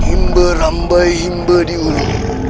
imba rambai imba di ulu